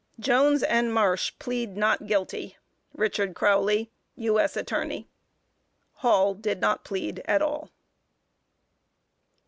Jones and Marsh plead not guilty. RICHARD CROWLEY, U.S. Attorney. Hall did not plead at all.